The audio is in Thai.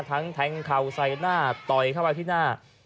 แทงเข่าใส่หน้าต่อยเข้าไปที่หน้า